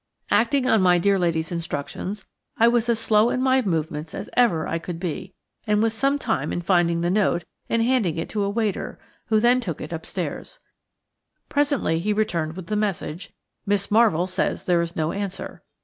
Acting on my dear lady's instructions, I was as slow in my movements as ever I could be, and was some time in finding the note and handing it to a waiter, who then took it upstairs. Presently he returned with the message: "Miss Marvell says there is no answer."